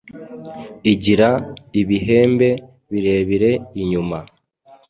igira ibihembe bireba inyuma